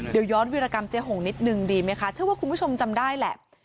เดี๋ยวย้อนวิรากรรมเจ๊หงนิดนึงดีไหมคะเชื่อว่าคุณผู้ชมจำได้แหละ